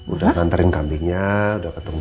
udah nganterin kambingnya udah ketemu juga dengan reona